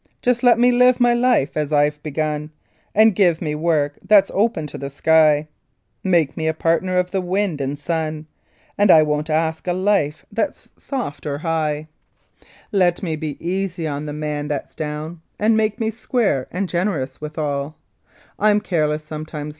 Just let me live my life as I've begun, And give me work that's open to the sky; Make me a partner of the wind and sun, And I won't ask a life that's soft or high. 1 80 Wholesale Cattle Smuggling Let me be easy on the man that's down, And make me square and generous with all; I'm careless, sometimes.